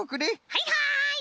はいはい！